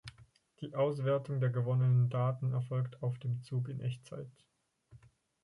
Die Auswertung der gewonnenen Daten erfolgt auf dem Zug in Echtzeit.